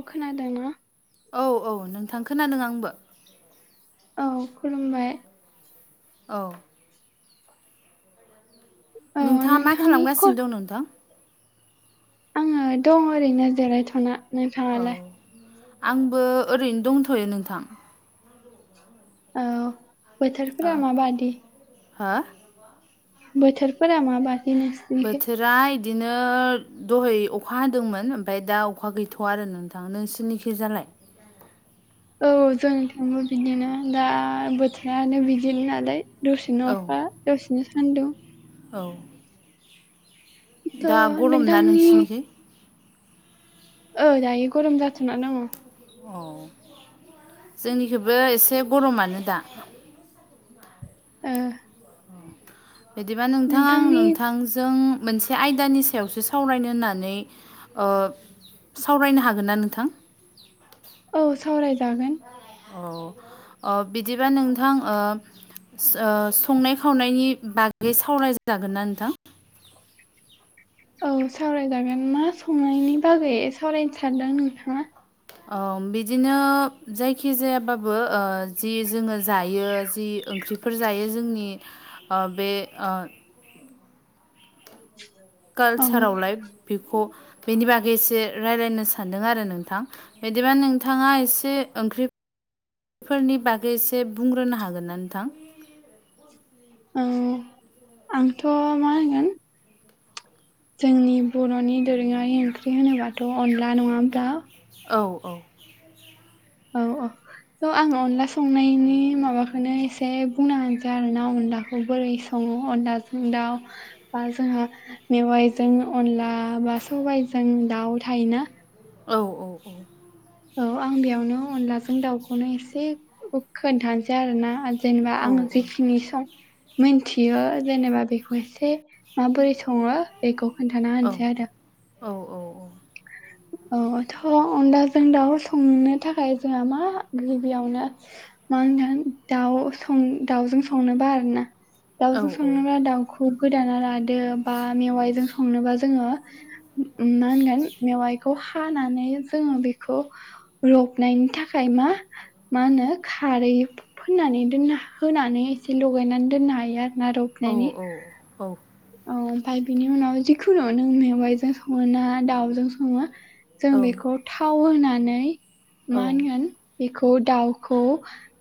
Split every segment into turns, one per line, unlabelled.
अ खोनादोंना?
औ औ नोंथां खोनादों आंबो।
औ खुलुमबाय
औ
औ
नोंथाङा मा
नोंथांनि कल
खालामगासिनो दं नोंथां?
ओ दं ओरैनो जिरायथ'ना
औ
नोंथाङालाय
आंबो ओरैनो दंथ'यो नोंथां।
औ बोथोरफोरा माबादि?
हा
बोथोरफोरा माबायदि नो [unintelligible]
बोथोरा इदिनो दहै अखा हादोंमोन ओमफ्राय दा अखा गैथवा आरो नों थां नोंसिनिखिजालाय?
औ जोंथिंबो बिदिनो दा बोथोरानो बिदिनो नालाय दसेनो
औ
अखा, दसेनो सान्दुं
औ
थ'
दा गरमना
नोंथांनि
नोंसिनिखै?
ओइ दायो गरम जाथ'ना दङ।
अ जोंनिखैबो एसे गरमानो दा
ओ
बिदिबा नोंथां आं
नोंथांनि
नोंथांजों मोन आयदानि सायावसो सावरायनो होननानै ओ सावरायनो हागोनना नोंथां?
औ सावरायजागोन।
अ अ बिदिबा नोंथां ओ ओ संनाय खावनायनि बागै सावराय जागोनना नोंथां?
औ सावराय जागोन मा संनायनि बागै सावरायनो सानदों नोंथाङा?
ओ बिदिनो जायखि जायाबाबो ओ जि जोङो जायो जि ओंख्रिफोर जायो जोंनि ओ बे ओ
औ
कालचारावलाय बेखौ बेनि बागै एसे रायलायनो सानदों आरो नोंथां। बिदिबा नोंथाङा एसे ओंख्रि फोरनि बागै एसे बुंग्रोनो हागोनना नोंथां?
औ आंथ' मा होनगोन जोंनि बर'नि दोरोङारि ओंख्रि होनोबाथ' अनला नङा ओमब्ला
औ औ
औ अ स' आं अनला संनायनि माबाखोनो एसे बुंना होनोसै आरोना अनलाखौ बोरै सङो अनलाजों दाउ बा जोंहा मेवाइजों अनला, बा सबाइजों दाउ थायोना
औ औ औ
औ आं बेयावनो अनलाजों दाउखौनो एसे खोन्थानोसै आरोना जेनेबा
औ
आं जिखिनि सं मिनथियो जेनेबा बेखौ एसे माबोरै सङो बेखौ खोन्थाना होनोसै आरो
औ औ
औ थ' अनलाजों दाउ संनो थाखाय जोंहा मा गिबियावनो मा होनगोन दाउ सं दाउजों संनोबा आरोना
औ
दाउजों
औ
संनोबा दाउखौ गोदाना ला दो बा मेवाइजों संनोबा जोङो मा होनगोन मेवाइखौ हानानै जोङो बेखौ रबनायनि थाखाय मा मानो खारै फोननानै दोन होनानै एसे लगायनानै दोननो हायो आरोना रब
औ औ औ
औ ओमफाय बिनि उनाव जिखुनु नों मेवाइजों संनोना दाउजों सं सङो जों बेखौ थाव होनानै
औ
मा होनगोन बेखौ दाउखौ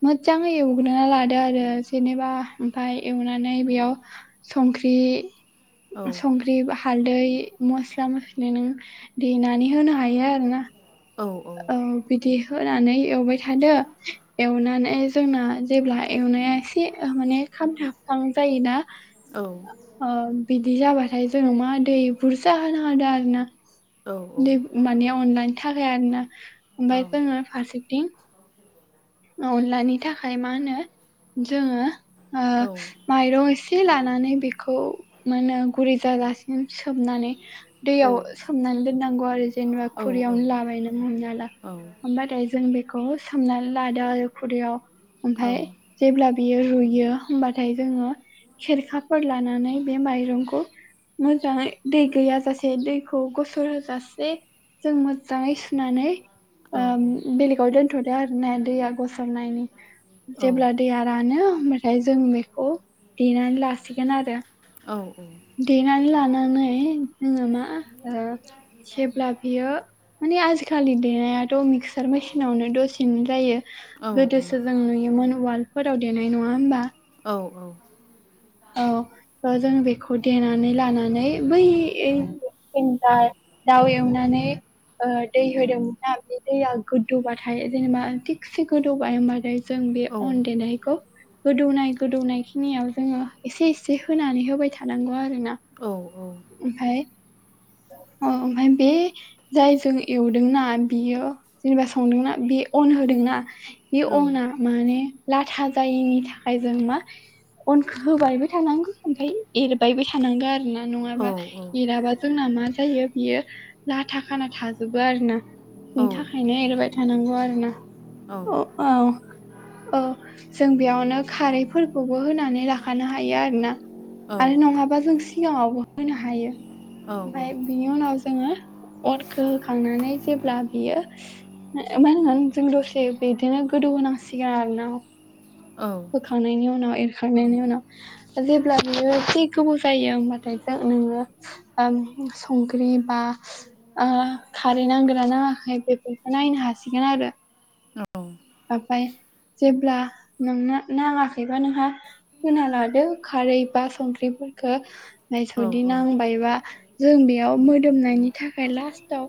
मोजाङै एवग्रोना लादो आरो जेनेबा ओमफाय एवनानै बेयाव संख्रि
औ
सं ख्रि हाल्दै मस्ला मस्लि नों देनानै होनो हायो आरोना
औ औ
औ बिदि होनानै एवबाय थादो एवनानै जोंना जेब्ला एवनाया एसे माने खामथाबखां जायोना
औ
ओ बिदि जाबाथाय जोङो मा दै बुरजा होनो हादों आरो ना
औ औ
माने अनलानि थाखाय आरोना ओमफ्रायफोरनोङो फारसेथिं अनलानि थाखाय मा होनो जोङो ओ माइरं एसे लानानै बेखौ मोनो गुरि जाजासिम सोमनानै दैयाव सोमनानै दोननांगौ आरो जेनेबा खुरैयावनो लाबायनांग हमना ला ओमफाय जों बेखौ सोमनानै लादो आरो खुदैयाव ओमफाय जेब्ला बियो रुयो होमबाथाय जोङो खेरखाफोर लानानै बे माइरंखौ मोजाङै दै गैयाजासे दैखौ गसर होजासे जों मो जाङै सुनानै बेलेगाव दोनथ'दो आर ना दैया गसावनायनि जेब्ला दैया रानो होमब्लाथाय जों बेखौ देनानै लासिगोन आरो
औ औ
देनानै लानानै जोङो मा ओ जेब्ला बियो माने आजिखालि देनायाथ' मिक्सार मेसिनावनो दसेनो जायो गोदोसो जों नुयोमोन उवालफोराव देनाय नङा होमबा
औ औ
औ थ' जों बेखौ देनानै लानानै बैन्ट [unintelligible] दाउ एवनानानै दै होदोंमोन ना बे दैया गोदौबाथाय जेनेबा थिगसे गोदौबाय होमबाथाय जों बे अन देनायखौ गोदौनाय गोदौनाय खिनियाव जोङो एसे एसे होनानै होबाय थानांगौ आरोना
औ
ओमफाय औ ओमफ्राय बे जाय जों एवदोंना बियो जेनेबा संदोंना बेयो अन होदोंना बे अना माने लाथा जायिनि थाखाय जों मा अनखौ होबायबो थानांगौ ओमफ्राय एरबायबो थानांगौ आरो ना ना नङाबा एराबा जोंना मा जायो बियो जाथा खाना थाजोबो आरोना बेनि थाखायनो एरबाय थानांगौ आरो ना अ औ औ जों बेयावनो खारैफोरखौबो होनानै लाखानो हायो आरोना आरो नङाबा जों सिगाङावबो होनो हायो ओमफाय बिनि उनाव जोङो अनखौ होखांनानै जेब्ला बियो मा होनोन जों दसे बिदिनो गोदौ होनोनांसिगोन आरो ना
औ
खांनायनि उनाव एरखांनायनि उनाव जेब्ला बियो एसे गोबाव जायो होमबाथाय जों नोङो ओम संख्रि बा ओ खारै नांगोना नाङाखै बेफोरखौ नायनो हासिगोन आरो। ओमफाय जेब्ला नोंना नाङाखैबा नोंहा होना लादो खारै बा संख्रिफोरखो। नायस'दि नांबायबा जों बेयाव मोदोमनायनि थाखाय लास्टाव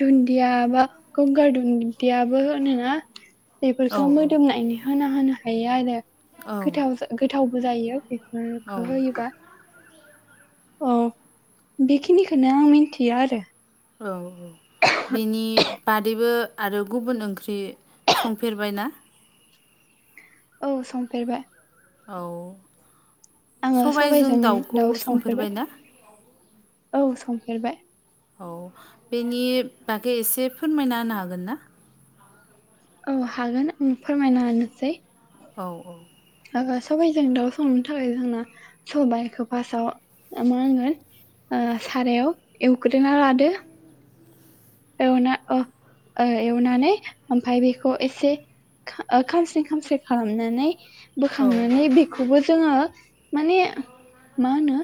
दुन्दिया बा गंगार दुन्दियाबो होनोना बेफोरखौ मोदोमनायनि होना होनो हायो आरो गोथाव
औ
जा गोथावबो जायो बेफोरफोरखो
औ औ
होयोबा। औ बेखिनिखोनो आं मिन्थिया आरो।
औ औ। बेनि बादैबो आरो गुबुन ओंख्रि संफेरबायना?
औ संफेरबाय।
औ।
आङो
सबाय जों
सबायजों
दाउखौ
दाउ
संफेरबाय ना?
औ संफेरबाय
औ बेनि बागै एसे फोरमायना होनो हागोन ना?
औ हागोन आं फोरमायना होनोसै
औ औ।
ओ सबाइजों दाउ संनो थाखाय जोंना सबाइखौ फार्स्टाव ओ मा होनो ओ सारायाव एवग्रोना लादो। एवना अ ओ एवनानै ओमफ्राय बेखौ एसे खा ओ खामसि खामसि खालामनानै
औ
बोखांनानै बेखौबो जोङो माने मा होनो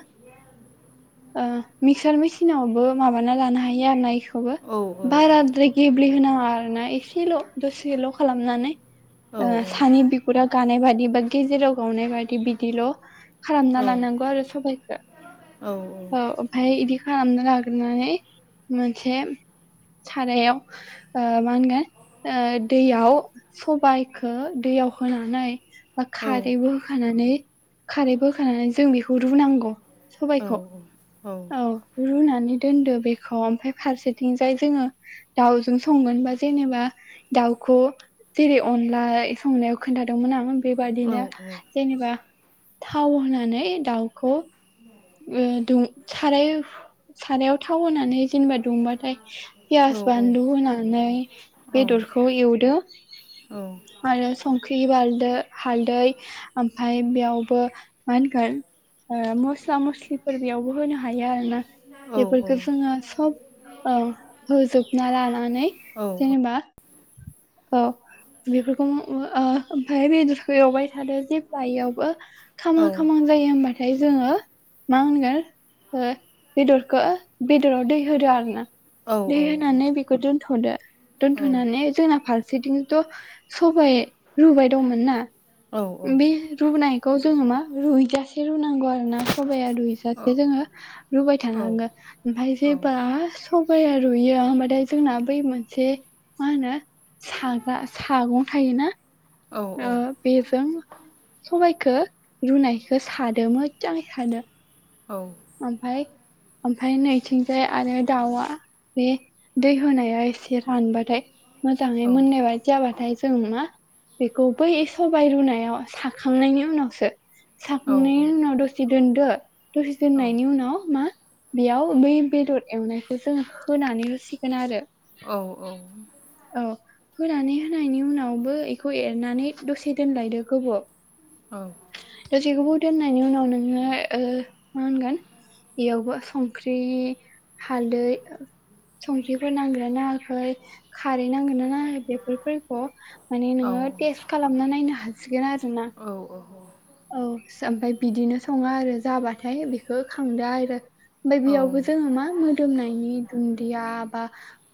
ओ मिक्सार मेचिनावबो माबाना लानो हायो आरो ना इखोबो
औ
बाराद्राय गेब्ले होनाङा आरो ना एसेल' दसेल' खालामनानै
औ
ओ सानि बिख बिगुरा गानाय बादि बा गेजेराव गावनाय बादि बिदिल' खालामना
औ
लानांगौ आरो सबाइखौ।
औ औ।
अ ओमफाय इदि खालामना लाग्रानै मोनसे सारायाव ओ माहोनगोन ओ दैयाव सबाइखौ दैयाव होनानै बा खारैबो होखानानै खारैबो होखानानै जों बेखौ रुनांगौ
औ
सबायइखौ। औ रुनानै दोनदो बेखौ ओमफ्राय फारसेथिंजाय जोङो दाउजों संगोनबा जेनेबा दाउखौ जेरै अनला संनायाव खोन्थादोंमोन आं बेबादिनो जेनेबा थाव होनानै दाउखौ ओ दुं साराय सारायाव थाव होनानै जेनेबा दुंबाथाय पियास बानलु होनानै बेदरखौ एवदो
औ।
आरो संख्रि बालदै हालदै ओमफाय बेयावबो मा होनगोन ओ मस्ला मस्लि फोर बेयावबो होनो हायो आरोना बेफोरफोरखो जोङो सब औ होजोबना लानानै जेनेबा औ बेफोरखौ उम ओमफ्राय बेदरखौ एवबाय थादो जेब्ला इयावबो खामहां खामहां जायो होनबाथाय जोङो मा होनगोन। ओ बेदरखो बेदराव दै होदो आरो ना। दै होनानै बेखौ दोन्थ'दो दोन्थ'नानै जोंना फारसेथिंथ' सबाइ रुबाय दंमोन ना बे रुनायखौ जोङो मा रुइजासे रुनांगौ आरो ना। सबाया रुइजासे जोङो रुबाय थानो थानांगो ओमफ्राय जेब्ला सबाया रुइयो होनबाथाय जोंना बै मोनसे मा होनो सागा सागं थायोना
औ
ओ
औ
बेजों सबायखौ रुनायखौ साद मोजाङै साद
औ
ओमफ्राय ओमफ्राय नैथिंजाय आरो दाउआ बे दै होनाया एसे रानबाथाय मोजाङै मोननाय बा जाबाथाय जों मा बेखौ बै सबाइ रुनायाव साखांनायनि उनावसो साखांनायनि उनाव दसे दोन्दो दसे दोननायनि उनाव मा बेयाव बै बेदर एवनायखौ जोङो होनानै होसिगोन आरो
औ औ
औ होनानै होनायनि उनावबो बेखौ एरनानै दसे दोनलायदो गोबाव
औ
दसे गोबाव दोननायनि उनाव नोङो ओ मा होनगोन बेयावबो संख्रि हालदै संख्रिफोर नांदोंना नाङाखै खारै नांगोनना नाङाखै बेफोरखौ माने नोङो टेस खालामना नायनो हासिगोन आरोना। औ ओमफाय बिदिनो सङो आरो जाबाथाय बेखौ खांदो आरो। ओमफ्राय बेयावबो जोङो मा मोन दोमनायनि दुन्दिया बा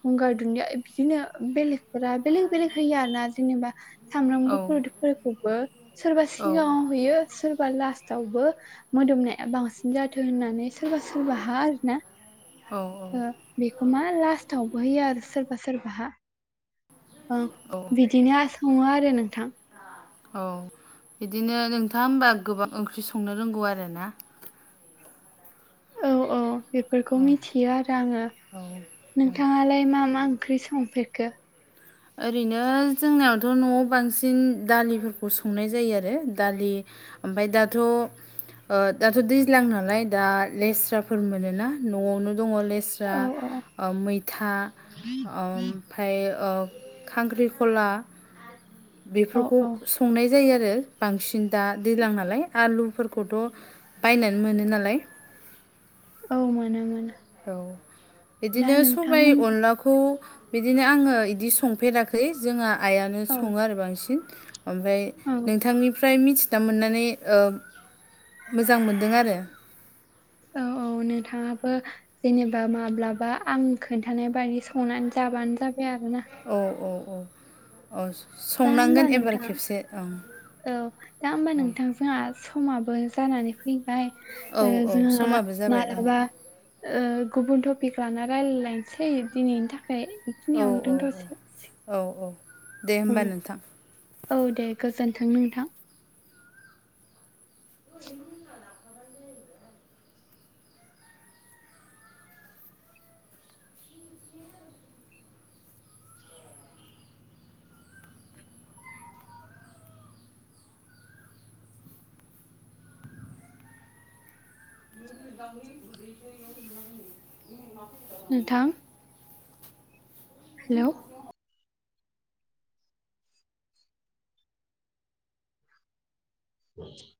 गंगार दुन्दिया बिदिनो बेलेग बेलेग बेलेग होयो आरोना जेनेबा सामब्राम गुफुरुफोरखौबो सोरबा सिगाङाव होयो सोरबा लास्ताबो मोदोमनाया बांसिन जाथों होननानै सोरबा सोरबा हा आरोना
औ
बेखौ मा लास्टावबो होयो आरो सोरबा सोरबाहा। औ बिदिनो आ सङो आरो नोंथां।
औ बिदिनो नोंथाङा होमबा गोबां ओंख्रि संनो रोंगौ आरोना।
औ औ बेफोरखौ
औ
मिथियो आरो आङो।
औ
नोंथाङालाय मा मा ओंख्रि संफेरखो?
ओरैनो जोंनावथ' न'आव बांसिन दालिफोरखौ संनाय जायो आरो दालि ओमफाय दाथ' ओ दाथ' दैज्लां नालाय दा लेस्राफोर मोनोना न'आवनो दङ लेस स्रा
औ औ
मैथा ओमफ्राय ओ खांख्रिखला
औ
बेफोरखौ
औ
संनाय जायो आरो। बांसिन दा दैलां नालाय आलुफोरखौथ' बायनानै मोनो नालाय
औ नंगौ नोंथां।
औ बिदिनो सबाय अनलाखौ बिदिनो आङो इदि संफेराखै जोंहा आइयानो
औ
सङो आरो बांसिन ओमफ्राय
औ
नोंथांनिफ्राय मिथिना मोननानै ओ मोजां मोनदों आरो।
औ औ नोंथाङाबो जेनेबा माब्लाबा आं खोन्थानाय बायदि संनानै जाबानो जाबाय आरोना।
औ औ औ औ
दा होमबा
संनांगोन एबार
नोंथां
खेबसे औ।
औ दा होमबा नोंथां जोंहा समाबो जानानै फैबाय
औ
ओ
औ
जोंहा
समाबो जाबाय औ
मालाबा ओ गुबुन टपिक लाना रायलायनोसै दिनैनि थाखाय
औ
बेखिनियावनो
औ
दोनथ'सै।
औ औ औ दे होमबा नोंथां।
औ दे गोजोन्थों नोंथां।
[inaudible] [unintelligible]
नोंथां हेल' [inaudible]